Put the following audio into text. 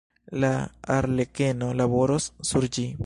La arlekeno laboros sur ĝi.